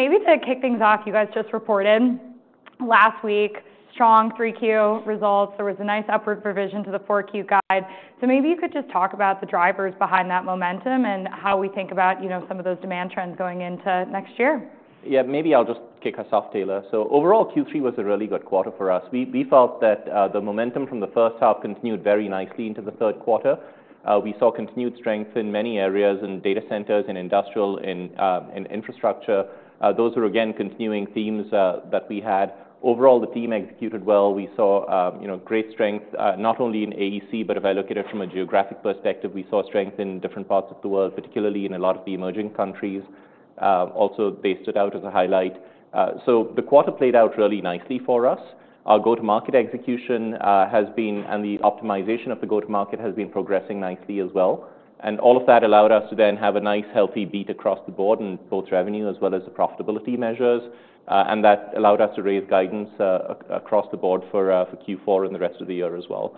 Maybe to kick things off, you guys just reported last week strong 3Q results. There was a nice upward provision to the four Q guide. Maybe you could just talk about the drivers behind that momentum and how we think about, you know, some of those demand trends going into next year. Yeah, maybe I'll just kick us off, Taylor. Overall, Q3 was a really good quarter for us. We felt that the momentum from the first half continued very nicely into the third quarter. We saw continued strength in many areas: in data centers, in industrial, in Infrastructure. Those were again continuing themes that we had. Overall, the team executed well. We saw, you know, great strength, not only in AEC, but if I look at it from a geographic perspective, we saw strength in different parts of the world, particularly in a lot of the emerging countries. Also based it out as a highlight. The quarter played out really nicely for us. Our go-to-market execution has been, and the optimization of the go-to-market has been progressing nicely as well. All of that allowed us to then have a nice healthy beat across the board in both revenue as well as the profitability measures. That allowed us to raise guidance across the board for Q4 and the rest of the year as well.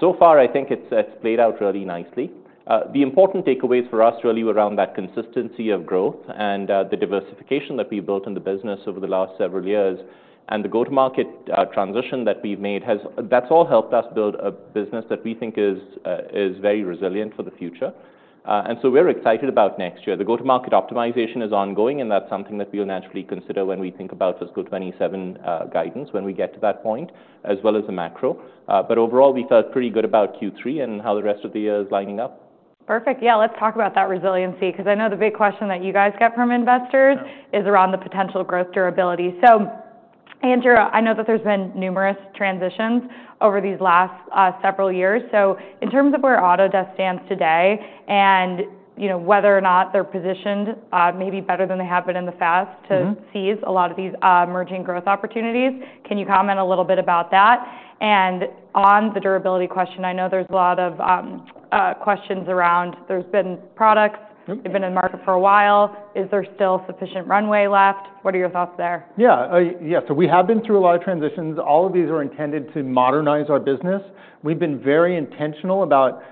So far, I think it's played out really nicely. The important takeaways for us really were around that consistency of growth and the diversification that we built in the business over the last several years. The go-to-market transition that we've made has helped us build a business that we think is very resilient for the future. We are excited about next year. The go-to-market optimization is ongoing, and that's something that we'll naturally consider when we think about fiscal 2027 guidance when we get to that point, as well as the macro. Overall, we felt pretty good about Q3 and how the rest of the year is lining up. Perfect. Yeah, let's talk about that resiliency. 'Cause I know the big question that you guys get from investors is around the potential growth durability. Yeah, Andrew, I know that there's been numerous transitions over these last several years. In terms of where Autodesk stands today and, you know, whether or not they're positioned, maybe better than they have been in the past to seize a lot of these emerging growth opportunities, can you comment a little bit about that? On the durability question, I know there's a lot of questions around there's been products. Yep. They've been in the market for a while. Is there still sufficient runway left? What are your thoughts there? Yeah. Yeah. We have been through a lot of transitions. All of these are intended to modernize our business. We've been very intentional about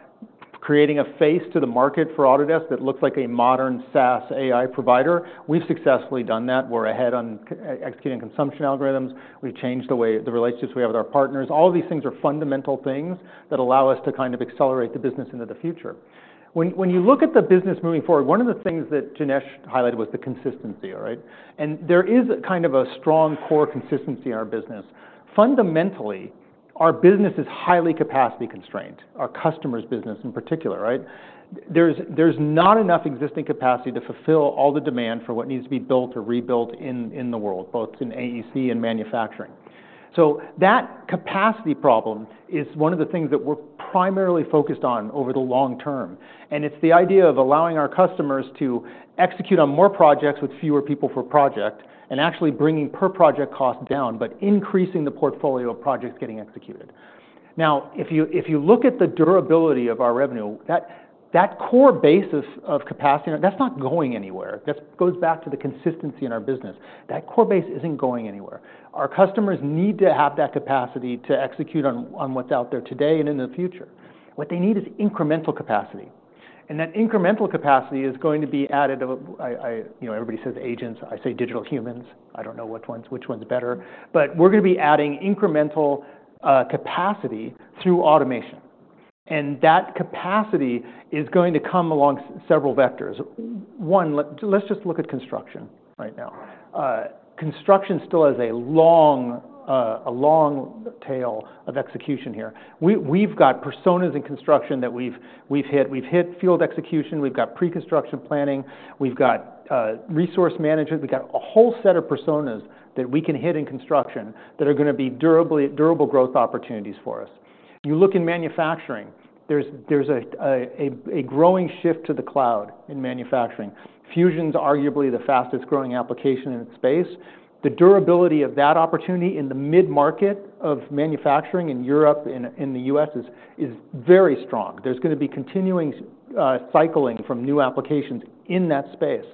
creating a face to the market for Autodesk that looks like a modern SaaS AI provider. We've successfully done that. We're ahead on executing consumption algorithms. We've changed the way the relationships we have with our partners. All of these things are fundamental things that allow us to kind of accelerate the business into the future. When you look at the business moving forward, one of the things that Janesh highlighted was the consistency, all right? There is kind of a strong core consistency in our business. Fundamentally, our business is highly capacity constrained, our customers' business in particular, right? There's not enough existing capacity to fulfill all the demand for what needs to be built or rebuilt in the world, both in AEC and manufacturing. That capacity problem is one of the things that we're primarily focused on over the long term. It's the idea of allowing our customers to execute on more projects with fewer people per project and actually bringing per-project cost down, but increasing the portfolio of projects getting executed. Now, if you look at the durability of our revenue, that core base of capacity, that's not going anywhere. That goes back to the consistency in our business. That core base isn't going anywhere. Our customers need to have that capacity to execute on what's out there today and in the future. What they need is incremental capacity. That incremental capacity is going to be added to, I, I, you know, everybody says agents. I say digital humans. I do not know which one's, which one's better. We are gonna be adding incremental capacity through automation. That capacity is going to come along several vectors. One, let's just look at Construction right now. Construction still has a long, a long tail of execution here. We, we've got personas in Construction that we've, we've hit. We've hit field execution. We've got pre-Construction planning. We've got resource management. We've got a whole set of personas that we can hit in Construction that are gonna be durably, durable growth opportunities for us. You look in manufacturing, there's, there's a growing shift to the cloud in manufacturing. Fusion's arguably the fastest growing application in its space. The durability of that opportunity in the mid-market of manufacturing in Europe and in the U.S. is very strong. There's gonna be continuing cycling from new applications in that space.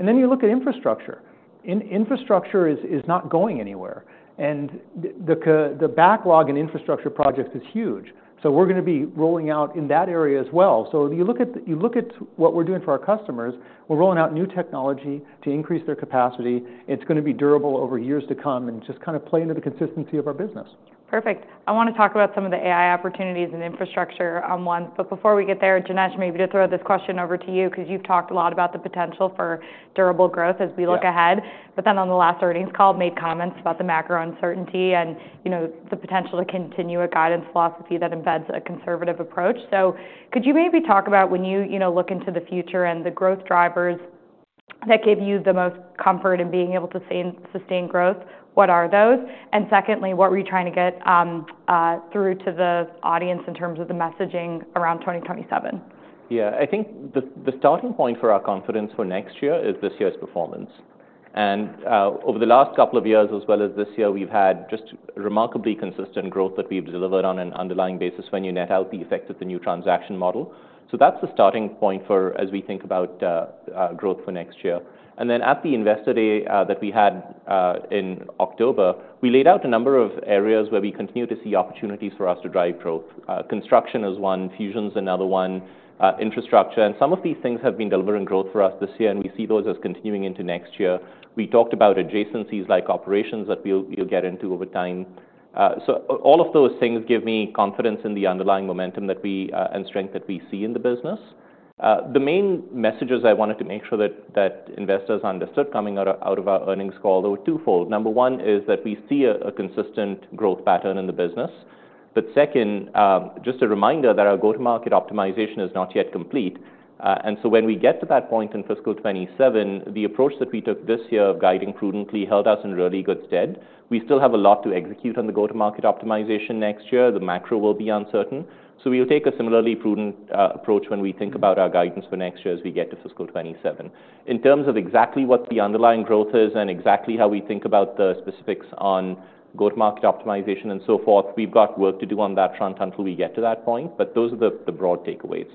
You look at Infrastructure. Infrastructure is not going anywhere. The backlog in Infrastructure projects is huge. We're gonna be rolling out in that area as well. You look at what we're doing for our customers, we're rolling out new technology to increase their capacity. It's gonna be durable over years to come and just kind of play into the consistency of our business. Perfect. I wanna talk about some of the AI Opportunities and Infrastructure on one. Before we get there, Janesh, maybe to throw this question over to you 'cause you've talked a lot about the potential for durable growth as we look ahead. Yeah. On the last earnings call, made comments about the macro uncertainty and, you know, the potential to continue a guidance philosophy that embeds a conservative approach. Could you maybe talk about when you, you know, look into the future and the growth drivers that give you the most comfort in being able to sustain, sustain growth? What are those? Secondly, what were you trying to get through to the audience in terms of the messaging around 2027? Yeah. I think the starting point for our confidence for next year is this year's performance. Over the last couple of years, as well as this year, we've had just remarkably consistent growth that we've delivered on an underlying basis when you net out the effect of the new transaction model. That's the starting point for as we think about growth for next year. At the Investor Day that we had in October, we laid out a number of areas where we continue to see opportunities for us to drive growth. Construction is one, Fusion's another one, Infrastructure. Some of these things have been delivering growth for us this year, and we see those as continuing into next year. We talked about adjacencies like operations that we'll get into over time. All of those things give me confidence in the underlying momentum that we, and strength that we see in the business. The main messages I wanted to make sure that investors understood coming out of our earnings call, they were twofold. Number one is that we see a consistent growth pattern in the business. Second, just a reminder that our go-to-market optimization is not yet complete. When we get to that point in fiscal 2027, the approach that we took this year of guiding prudently held us in really good stead. We still have a lot to execute on the go-to-market optimization next year. The macro will be uncertain. We will take a similarly prudent approach when we think about our guidance for next year as we get to fiscal 2027. In terms of exactly what the underlying growth is and exactly how we think about the specifics on go-to-market optimization and so forth, we have got work to do on that front until we get to that point. Those are the broad takeaways.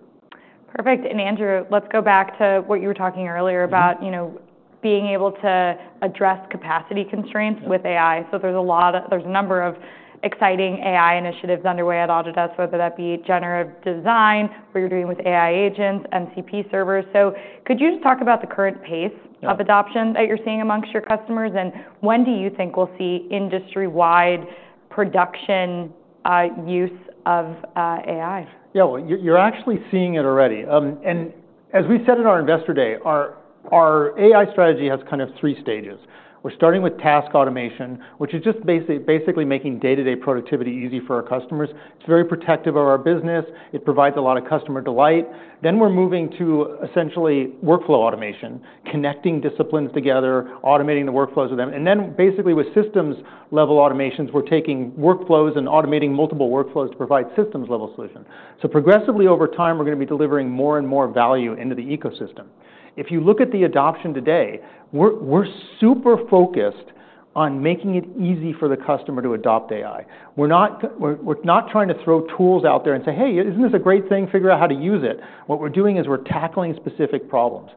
Perfect. Andrew, let's go back to what you were talking earlier about, you know, being able to address capacity constraints with AI. There's a lot of, there's a number of exciting AI initiatives underway at Autodesk, whether that be Generative Design, what you're doing with AI agents, MCP servers. Could you just talk about the current pace. Yeah. Of adoption that you're seeing amongst your customers? When do you think we'll see industry-wide production use of AI? Yeah. You're actually seeing it already. As we said at our Investor Day, our AI strategy has kind of three stages. We're starting with task automation, which is just basically making day-to-day productivity easy for our customers. It's very protective of our business. It provides a lot of customer delight. We're moving to essentially workflow automation, connecting disciplines together, automating the workflows with them. Basically, with systems-level automations, we're taking workflows and automating multiple workflows to provide systems-level solutions. Progressively over time, we're gonna be delivering more and more value into the ecosystem. If you look at the adoption today, we're super focused on making it easy for the customer to adopt AI. We're not trying to throw tools out there and say, "Hey, isn't this a great thing? Figure out how to use it. What we're doing is we're tackling specific problems.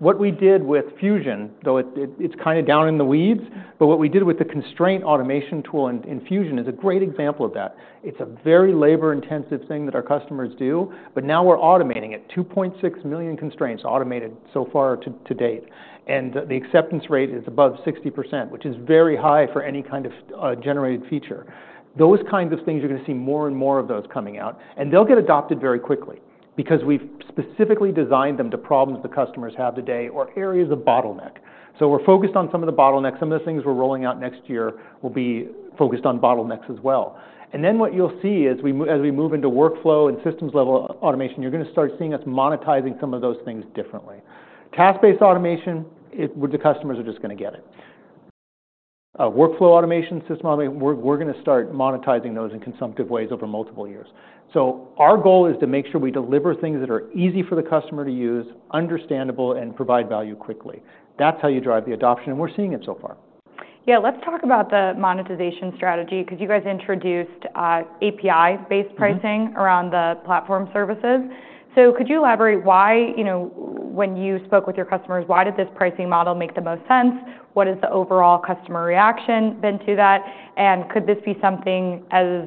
What we did with Fusion, though it, it's kind of down in the weeds, but what we did with the constraint automation tool in Fusion is a great example of that. It's a very labor-intensive thing that our customers do, but now we're automating it. 2.6 million constraints automated so far to date. And the acceptance rate is above 60%, which is very high for any kind of generated feature. Those kinds of things, you're gonna see more and more of those coming out. They'll get adopted very quickly because we've specifically designed them to problems the customers have today or areas of bottleneck. We're focused on some of the bottlenecks. Some of the things we're rolling out next year will be focused on bottlenecks as well. What you'll see is as we move into workflow and systems-level automation, you're gonna start seeing us monetizing some of those things differently. Task-based automation, the customers are just gonna get it. Workflow automation, system automation, we're gonna start monetizing those in consumptive ways over multiple years. Our goal is to make sure we deliver things that are easy for the customer to use, understandable, and provide value quickly. That's how you drive the adoption, and we're seeing it so far. Yeah. Let's talk about the monetization strategy 'cause you guys introduced API-based pricing around the platform services. Could you elaborate why, you know, when you spoke with your customers, why did this pricing model make the most sense? What has the overall customer reaction been to that? Could this be something as,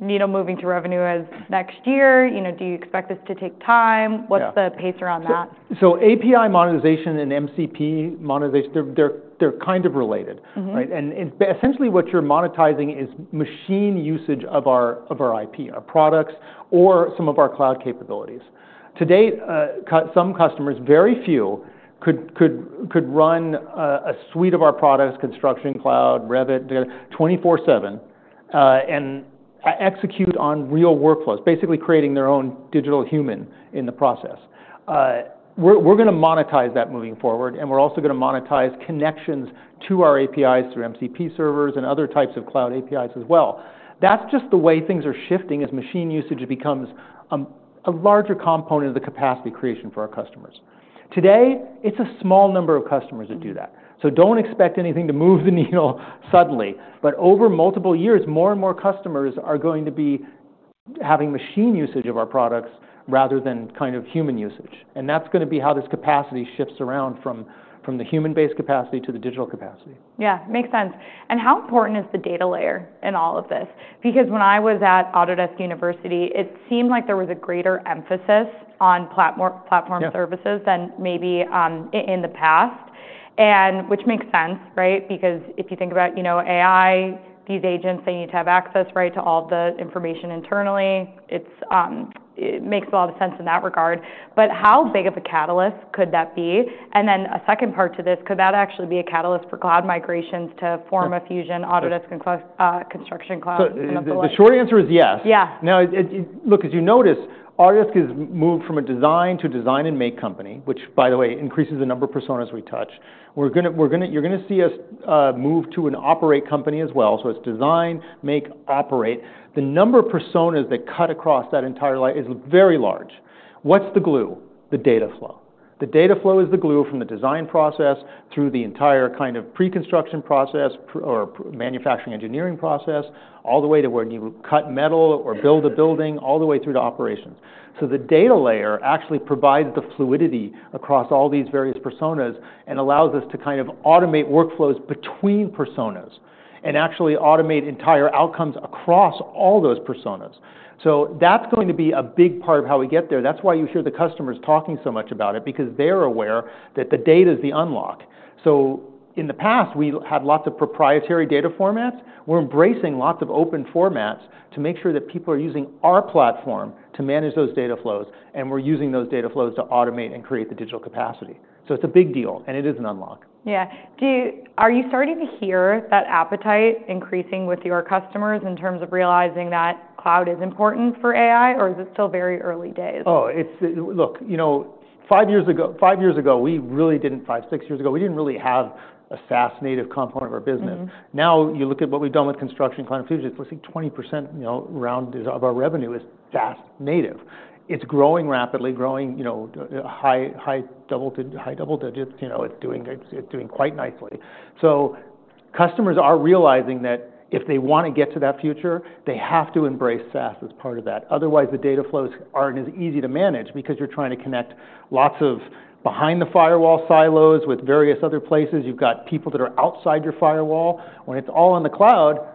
you know, moving to revenue as next year? You know, do you expect this to take time? What's the pace around that? API monetization and MCP monetization, they're kind of related. Mm-hmm. Right? And essentially what you're monetizing is machine usage of our IP and our products or some of our cloud capabilities. To date, some customers, very few, could run a suite of our products, Construction Cloud, Revit, 24/7, and execute on real workflows, basically creating their own digital human in the process. We're going to monetize that moving forward, and we're also going to monetize connections to our APIs through MCP servers and other types of Cloud APIs as well. That's just the way things are shifting as machine usage becomes a larger component of the capacity creation for our customers. Today, it's a small number of customers that do that. Do not expect anything to move the needle suddenly. Over multiple years, more and more customers are going to be having machine usage of our products rather than kind of human usage. That's gonna be how this capacity shifts around from the human-based capacity to the digital capacity. Yeah. Makes sense. How important is the data layer in all of this? Because when I was at Autodesk University, it seemed like there was a greater emphasis on Platform Services. Yeah. Than maybe, in the past, and which makes sense, right? Because if you think about, you know, AI, these agents, they need to have access, right, to all the information internally. It makes a lot of sense in that regard. How big of a catalyst could that be? And then a second part to this, could that actually be a catalyst for cloud migrations to form a Fusion, Autodesk, and Construction Cloud? The short answer is yes. Yeah. Now, as you notice, Autodesk has moved from a design to design and make company, which, by the way, increases the number of personas we touch. We're gonna, you're gonna see us move to an operate company as well. It is design, make, operate. The number of personas that cut across that entire line is very large. What's the glue? The data flow. The data flow is the glue from the design process through the entire kind of pre-Construction process or manufacturing engineering process, all the way to where you cut metal or build a building, all the way through to operations. The data layer actually provides the fluidity across all these various personas and allows us to kind of automate workflows between personas and actually automate entire outcomes across all those personas. That is going to be a big part of how we get there. That is why you hear the customers talking so much about it, because they are aware that the data is the unlock. In the past, we had lots of proprietary data formats. We are embracing lots of open formats to make sure that people are using our platform to manage those data flows, and we are using those data flows to automate and create the digital capacity. It is a big deal, and it is an unlock. Yeah. Do you, are you starting to hear that appetite increasing with your customers in terms of realizing that Cloud is important for AI, or is it still very early days? Oh, it's, look, you know, five years ago, five years ago, we really didn't, five, six years ago, we didn't really have a SaaS native component of our business. Mm-hmm. Now you look at what we've done with Construction Cloud, and Fusion, it's less than 20% of our revenue is SaaS native. It's growing rapidly, growing, you know, high double digit, high double digits. You know, it's doing, it's doing quite nicely. Customers are realizing that if they wanna get to that future, they have to embrace SaaS as part of that. Otherwise, the data flows aren't as easy to manage because you're trying to connect lots of behind-the-firewall silos with various other places. You've got people that are outside your firewall. When it's all in the cloud,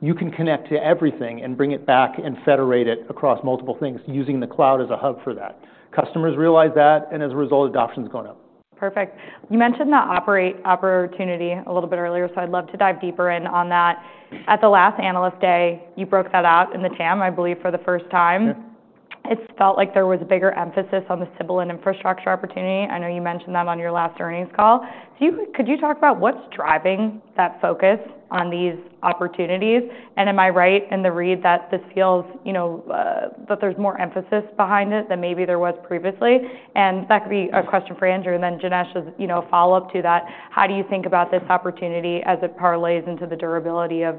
you can connect to everything and bring it back and federate it across multiple things using the cloud as a hub for that. Customers realize that, and as a result, adoption's going up. Perfect. You mentioned the operate opportunity a little bit earlier, so I'd love to dive deeper in on that. At the last Analyst Day, you broke that out in the TAM, I believe, for the first time. Yeah. It felt like there was a bigger emphasis on the Siebel Infrastructure opportunity. I know you mentioned that on your last earnings call. Could you talk about what's driving that focus on these opportunities? Am I right in the read that this feels, you know, that there's more emphasis behind it than maybe there was previously? That could be a question for Andrew. Janesh, a follow-up to that. How do you think about this opportunity as it parlays into the durability of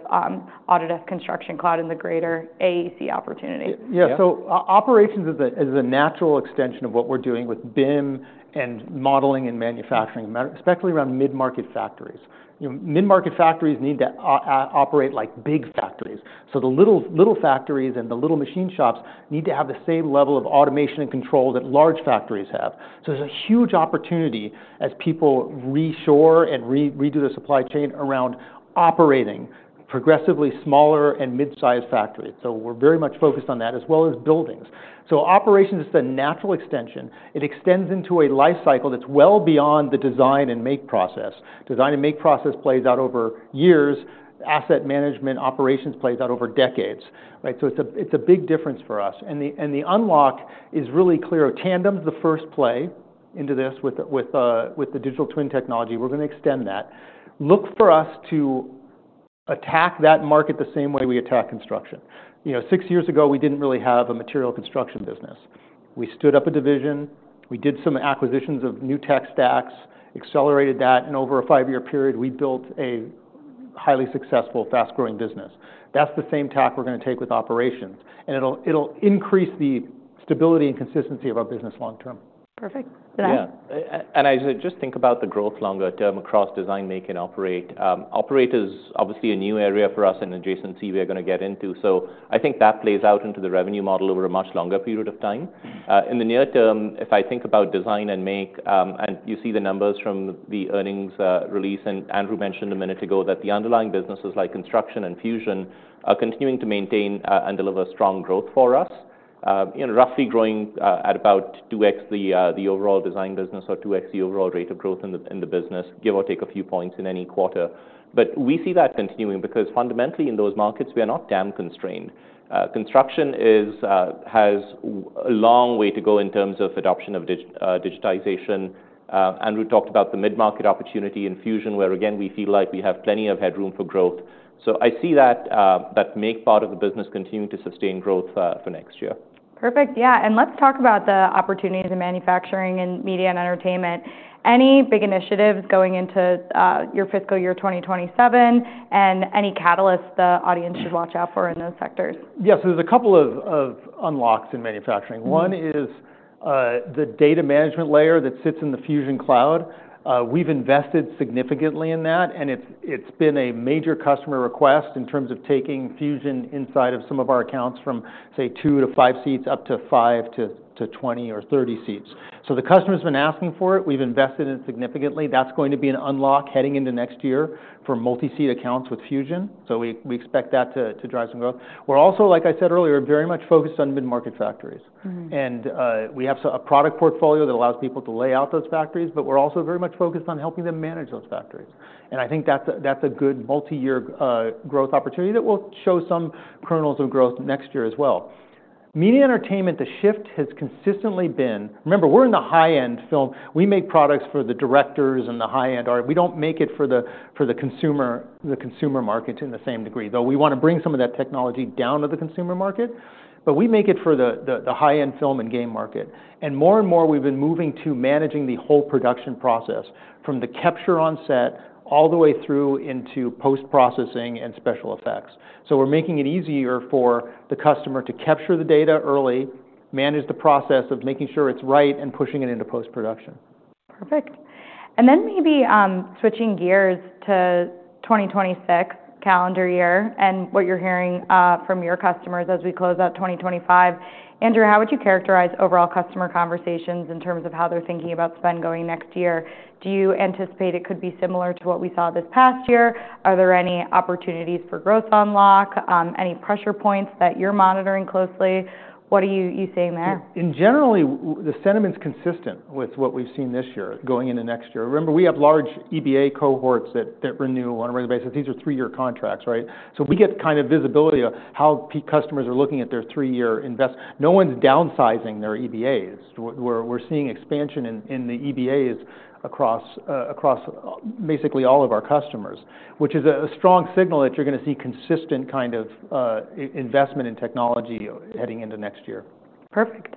Autodesk Construction Cloud and the greater AEC opportunity? Yeah. Operations is a natural extension of what we're doing with BIM and Modeling and Manufacturing, especially around mid-market factories. You know, mid-market factories need to operate like big factories. The little, little factories and the little machine shops need to have the same level of automation and control that large factories have. There's a huge opportunity as people reshore and redo their supply chain around operating progressively smaller and mid-sized factories. We're very much focused on that, as well as buildings. Operations is a natural extension. It extends into a life cycle that's well beyond the design and make process. Design and make process plays out over years. Asset management operations plays out over decades, right? It's a big difference for us. The unlock is really clear. Tandem's the first play into this with the digital twin technology. We're gonna extend that. Look for us to attack that market the same way we attack Construction. You know, six years ago, we didn't really have a material Construction business. We stood up a division. We did some acquisitions of new tech stacks, accelerated that, and over a five-year period, we built a highly successful, fast-growing business. That's the same tack we're gonna take with operations, and it'll increase the stability and consistency of our business long-term. Perfect. Yeah. I said just think about the growth longer term across design, make, and operate. Operate is obviously a new area for us and adjacency we are gonna get into. I think that plays out into the revenue model over a much longer period of time. In the near term, if I think about design and make, and you see the numbers from the earnings release, and Andrew mentioned a minute ago that the underlying businesses like Construction and Fusion are continuing to maintain and deliver strong growth for us. You know, roughly growing at about 2X the overall design business or 2X the overall rate of growth in the business, give or take a few points in any quarter. We see that continuing because fundamentally in those markets, we are not TAM constrained. Construction has a long way to go in terms of adoption of digitization. Andrew talked about the mid-market opportunity in Fusion where, again, we feel like we have plenty of headroom for growth. I see that make part of the business continuing to sustain growth for next year. Perfect. Yeah. Let's talk about the opportunities in manufacturing and media and entertainment. Any big initiatives going into your fiscal year 2027 and any catalysts the audience should watch out for in those sectors? Yeah. There's a couple of unlocks in manufacturing. One is the Data Management Layer that sits in the Fusion Cloud. We've invested significantly in that, and it's been a major customer request in terms of taking Fusion inside of some of our accounts from, say, two to five seats up to five to 20 or 30 seats. The customer's been asking for it. We've invested in it significantly. That's going to be an unlock heading into next year for multi-seat accounts with Fusion. We expect that to drive some growth. We're also, like I said earlier, very much focused on mid-market factories. Mm-hmm. We have a product portfolio that allows people to lay out those factories, but we're also very much focused on helping them manage those factories. I think that's a good multi-year growth opportunity that will show some kernels of growth next year as well. Media entertainment, the shift has consistently been, remember, we're in the high-end film. We make products for the directors and the high-end art. We don't make it for the consumer, the consumer market in the same degree, though we wanna bring some of that technology down to the consumer market. We make it for the high-end film and game market. More and more, we've been moving to managing the whole production process from the capture on set all the way through into post-processing and special effects. We're making it easier for the customer to capture the data early, manage the process of making sure it's right, and pushing it into post-production. Perfect. Maybe, switching gears to 2026 calendar year and what you're hearing from your customers as we close out 2025. Andrew, how would you characterize overall customer conversations in terms of how they're thinking about spend going next year? Do you anticipate it could be similar to what we saw this past year? Are there any opportunities for growth unlock, any pressure points that you're monitoring closely? What are you seeing there? In general, the sentiment's consistent with what we've seen this year going into next year. Remember, we have large EBA Cohorts that renew on a regular basis. These are three-year contracts, right? So we get kind of visibility of how customers are looking at their three-year invest. No one's downsizing their EBAs. We're seeing expansion in the EBAs across basically all of our customers, which is a strong signal that you're gonna see consistent kind of investment in technology heading into next year. Perfect.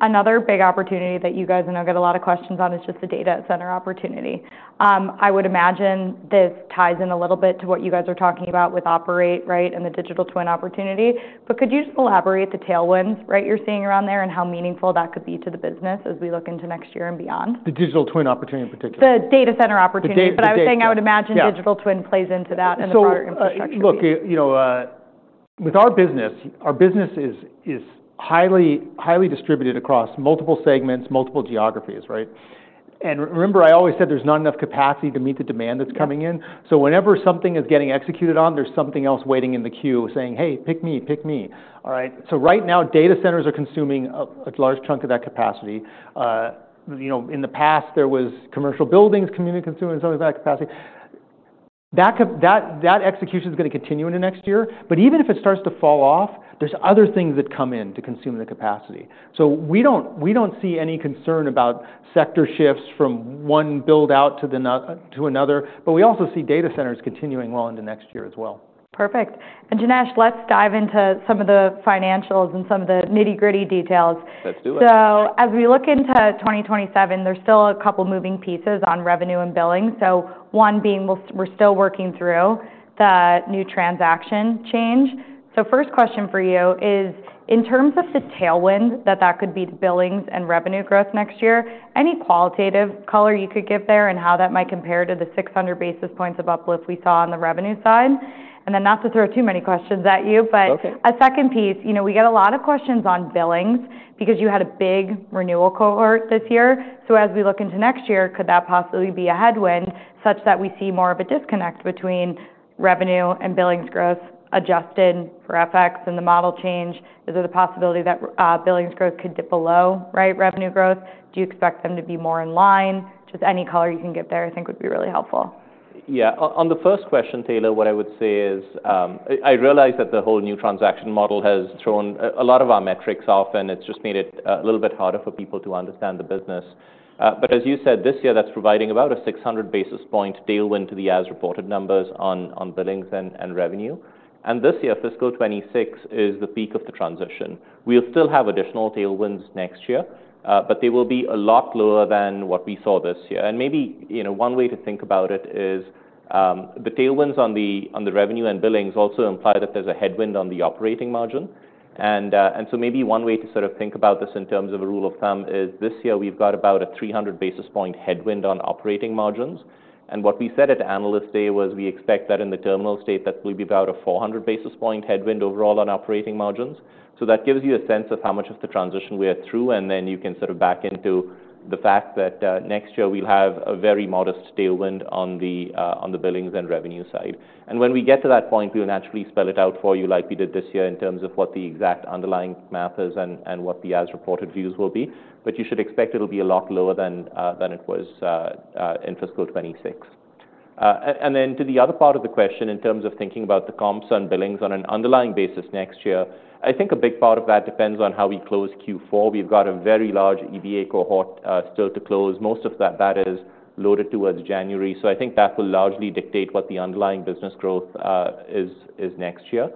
Another big opportunity that you guys and I get a lot of questions on is just the data center opportunity. I would imagine this ties in a little bit to what you guys are talking about with operate, right, and the digital twin opportunity. Could you just elaborate the tailwinds, right, you're seeing around there and how meaningful that could be to the business as we look into next year and beyond? The digital twin opportunity in particular? The data center opportunity. I was saying I would imagine digital twin plays into that and the modern Infrastructure. Look, you know, with our business, our business is highly, highly distributed across multiple segments, multiple geographies, right? And remember, I always said there's not enough capacity to meet the demand that's coming in. Whenever something is getting executed on, there's something else waiting in the queue saying, "Hey, pick me, pick me." Right? Right now, data centers are consuming a large chunk of that capacity. You know, in the past, there was commercial buildings, community consuming some of that capacity. That execution's gonna continue into next year. Even if it starts to fall off, there are other things that come in to consume the capacity. We don't see any concern about sector shifts from one build-out to the next. We also see data centers continuing well into next year as well. Perfect. Janesh, let's dive into some of the financials and some of the nitty-gritty details. Let's do it. As we look into 2027, there's still a couple moving pieces on revenue and billing. One being we're still working through the new transaction change. First question for you is, in terms of the tailwind that that could be to the billings and revenue growth next year, any qualitative color you could give there and how that might compare to the 600 basis points of uplift we saw on the revenue side? Not to throw too many questions at you, but. Okay. A second piece, you know, we get a lot of questions on billings because you had a big renewal cohort this year. As we look into next year, could that possibly be a headwind such that we see more of a disconnect between revenue and billings growth adjusted for FX and the model change? Is there the possibility that billings growth could dip below, right, revenue growth? Do you expect them to be more in line? Just any color you can give there, I think, would be really helpful. Yeah. On the first question, Taylor, what I would say is, I realize that the whole new transaction model has thrown a lot of our metrics off, and it's just made it a little bit harder for people to understand the business. As you said, this year, that's providing about a 600 basis point tailwind to the as-reported numbers on billings and revenue. This year, fiscal 2026 is the peak of the transition. We'll still have additional tailwinds next year, but they will be a lot lower than what we saw this year. Maybe, you know, one way to think about it is, the tailwinds on the revenue and billings also imply that there's a headwind on the operating margin. Maybe one way to sort of think about this in terms of a rule of thumb is this year, we've got about a 300 basis point headwind on operating margins. What we said at Analyst Day was we expect that in the terminal state, that we'll be about a 400 basis point headwind overall on operating margins. That gives you a sense of how much of the transition we are through, and then you can sort of back into the fact that, next year, we'll have a very modest tailwind on the billings and revenue side. When we get to that point, we'll naturally spell it out for you like we did this year in terms of what the exact underlying math is and what the as-reported views will be. You should expect it'll be a lot lower than it was in fiscal 2026. To the other part of the question in terms of thinking about the comps on billings on an underlying basis next year, I think a big part of that depends on how we close Q4. We've got a very large EBA Cohort still to close. Most of that is loaded towards January. I think that will largely dictate what the underlying business growth is next year.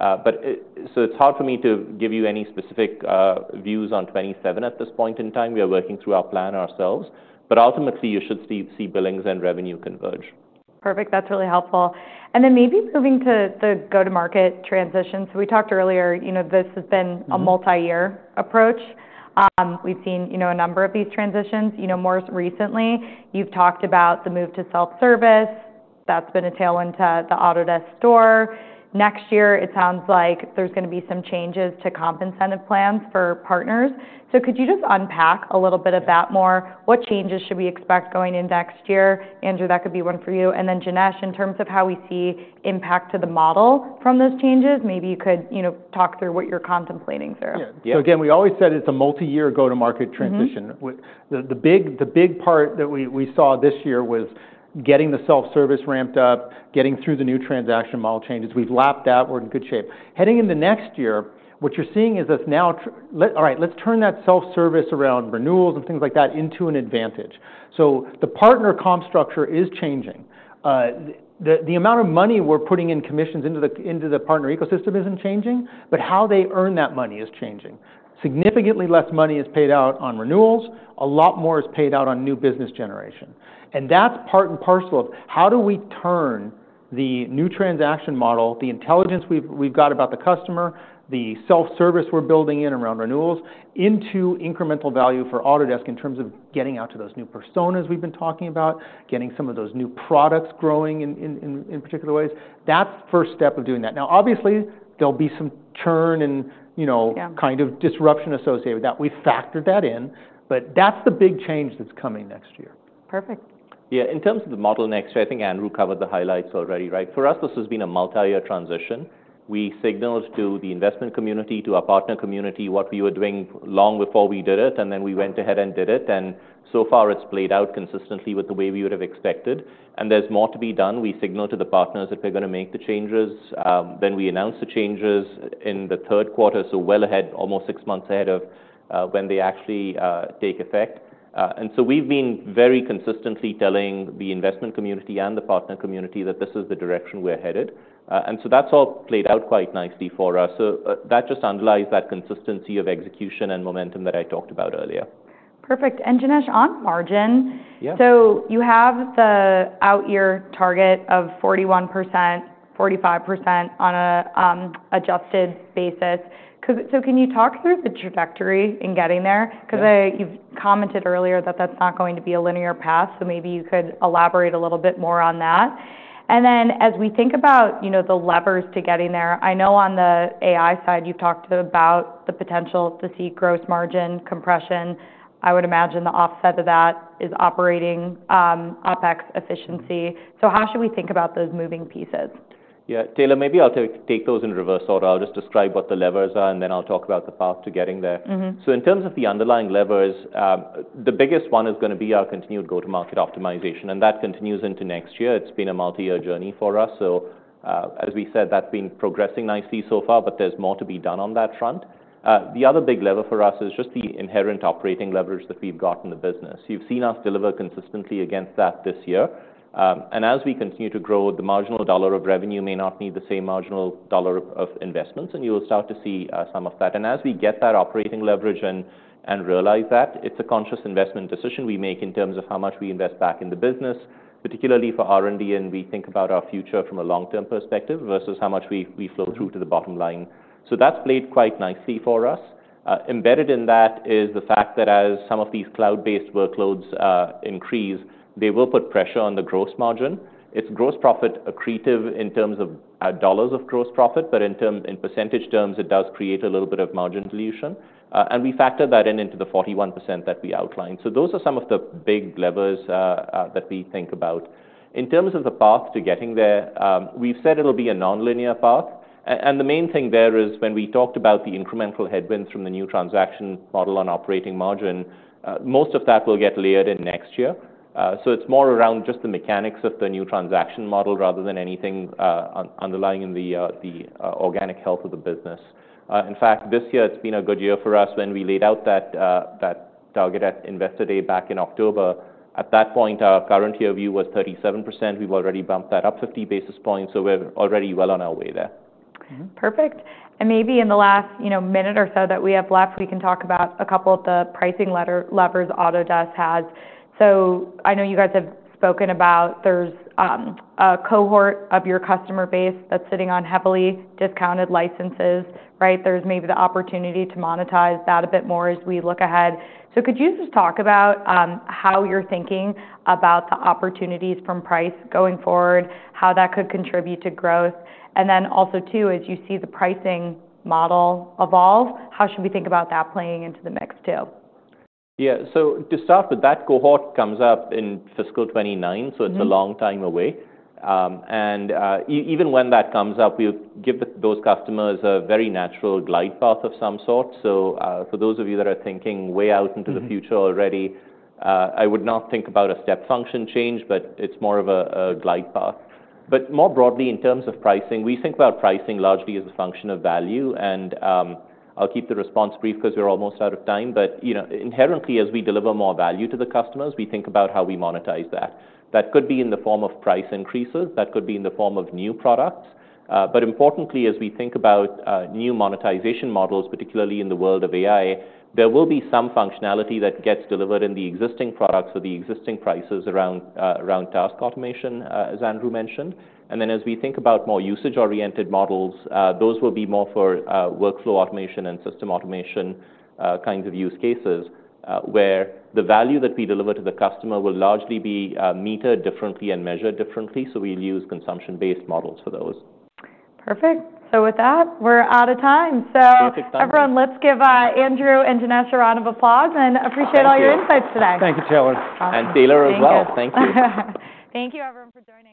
It's hard for me to give you any specific views on 2027 at this point in time. We are working through our plan ourselves. Ultimately, you should see billings and revenue converge. Perfect. That's really helpful. Maybe moving to the go-to-market transition. We talked earlier, you know, this has been a multi-year approach. We've seen, you know, a number of these transitions, you know, more recently. You've talked about the move to self-service. That's been a tailwind to the Autodesk Store. Next year, it sounds like there's gonna be some changes to comp incentive plans for partners. Could you just unpack a little bit of that more? What changes should we expect going into next year? Andrew, that could be one for you. Janesh, in terms of how we see impact to the model from those changes, maybe you could, you know, talk through what you're contemplating through. Yeah. So again, we always said it's a multi-year go-to-market transition. Mm-hmm. The big, the big part that we saw this year was getting the self-service ramped up, getting through the new transaction model changes. We've lapped that. We're in good shape. Heading into next year, what you're seeing is us now try all right, let's turn that self-service around renewals and things like that into an advantage. The partner comp structure is changing. The amount of money we're putting in commissions into the partner ecosystem isn't changing, but how they earn that money is changing. Significantly less money is paid out on renewals. A lot more is paid out on new business generation. That's part and parcel of how do we turn the new transaction model, the intelligence we've got about the customer, the self-service we're building in around renewals into incremental value for Autodesk in terms of getting out to those new personas we've been talking about, getting some of those new products growing in particular ways. That's the first step of doing that. Now, obviously, there'll be some churn and, you know. Yeah. Kind of disruption associated with that. We've factored that in, but that's the big change that's coming next year. Perfect. Yeah. In terms of the model next year, I think Andrew covered the highlights already, right? For us, this has been a multi-year transition. We signaled to the investment community, to our partner community what we were doing long before we did it, and then we went ahead and did it. It has played out consistently with the way we would have expected. There is more to be done. We signal to the partners that we're gonna make the changes. We announce the changes in the third quarter, so well ahead, almost six months ahead of when they actually take effect. We have been very consistently telling the investment community and the partner community that this is the direction we're headed. That just underlies that consistency of execution and momentum that I talked about earlier. Perfect. Janesh, on margin. Yeah. You have the out-year target of 41%, 45% on a, adjusted basis. Could, can you talk through the trajectory in getting there? Yeah. 'Cause you've commented earlier that that's not going to be a linear path, so maybe you could elaborate a little bit more on that. And then as we think about, you know, the levers to getting there, I know on the AI side, you've talked about the potential to see gross margin compression. I would imagine the offset of that is operating, OpEx efficiency. So how should we think about those moving pieces? Yeah. Taylor, maybe I'll take those in reverse order. I'll just describe what the levers are, and then I'll talk about the path to getting there. Mm-hmm. In terms of the underlying levers, the biggest one is gonna be our continued go-to-market optimization, and that continues into next year. It's been a multi-year journey for us. As we said, that's been progressing nicely so far, but there's more to be done on that front. The other big lever for us is just the inherent operating leverage that we've got in the business. You've seen us deliver consistently against that this year. As we continue to grow, the marginal dollar of revenue may not need the same marginal dollar of investments, and you will start to see some of that. As we get that operating leverage and realize that, it's a conscious investment decision we make in terms of how much we invest back in the business, particularly for R&D, and we think about our future from a long-term perspective versus how much we flow through to the bottom line. That's played quite nicely for us. Embedded in that is the fact that as some of these cloud-based workloads increase, they will put pressure on the gross margin. It's gross profit accretive in terms of dollars of gross profit, but in percentage terms, it does create a little bit of margin dilution. We factor that into the 41% that we outlined. Those are some of the big levers that we think about. In terms of the path to getting there, we've said it'll be a non-linear path. The main thing there is when we talked about the incremental headwinds from the new transaction model on operating margin, most of that will get layered in next year. It's more around just the mechanics of the new transaction model rather than anything underlying in the organic health of the business. In fact, this year, it's been a good year for us when we laid out that target at Investor Day back in October. At that point, our current year view was 37%. We've already bumped that up 50 basis points, so we're already well on our way there. Okay. Perfect. Maybe in the last, you know, minute or so that we have left, we can talk about a couple of the pricing levers Autodesk has. I know you guys have spoken about there's a cohort of your customer base that's sitting on heavily discounted licenses, right? There's maybe the opportunity to monetize that a bit more as we look ahead. Could you just talk about how you're thinking about the opportunities from price going forward, how that could contribute to growth? Also, as you see the pricing model evolve, how should we think about that playing into the mix too? Yeah. To start with, that cohort comes up in fiscal 2029, so it's a long time away. Mm-hmm. Even when that comes up, we'll give those customers a very natural glide path of some sort. For those of you that are thinking way out into the future already, I would not think about a step function change, but it's more of a glide path. More broadly, in terms of pricing, we think about pricing largely as a function of value. I'll keep the response brief 'cause we're almost out of time. You know, inherently, as we deliver more value to the customers, we think about how we monetize that. That could be in the form of price increases. That could be in the form of new products. Importantly, as we think about new monetization models, particularly in the world of AI, there will be some functionality that gets delivered in the existing products or the existing prices around task automation, as Andrew mentioned. As we think about more usage-oriented models, those will be more for workflow automation and system automation, kinds of use cases, where the value that we deliver to the customer will largely be metered differently and measured differently. We will use consumption-based models for those. Perfect. With that, we're out of time. Perfect. Thank you. Everyone, let's give Andrew and Janesh a round of applause and appreciate all your insights today. Thank you. Thank you, Taylor. Awesome. Taylor as well. Thank you. Thank you. Thank you, everyone, for joining.